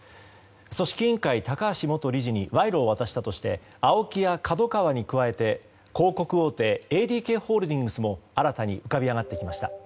組織委員会の高橋元理事に賄賂を渡したとしてＡＯＫＩやＫＡＤＯＫＡＷＡに加えて広告大手ＡＤＫホールディングスも新たに浮かび上がってきました。